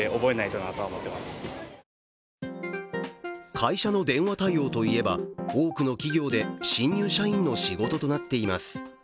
会社の電話対応といえば、多くの企業で新入社員の仕事となっています。